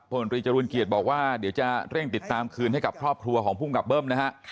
ผลตรีจรูลเกียรติบอกว่าเดี๋ยวจะเร่งติดตามคืนให้กับครอบครัวของภูมิกับเบิ้มนะฮะ